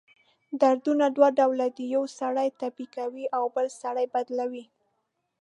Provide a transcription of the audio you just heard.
دردونه دوه ډؤله دی: یؤ سړی ټپي کوي اؤ بل سړی بدلؤي.